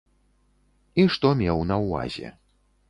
І што меў на ўвазе.